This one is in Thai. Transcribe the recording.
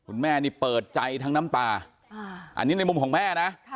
แม่นี่เปิดใจทั้งน้ำตาอันนี้ในมุมของแม่นะ